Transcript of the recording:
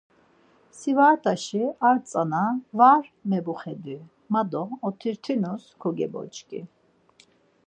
Si var t̆aşi ar tzana var mebuxondu ma do otirtinus kogeboç̌ǩi.